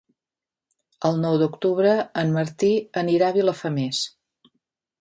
El nou d'octubre en Martí anirà a Vilafamés.